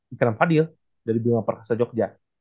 ikan fadil dari bima perkasa jogja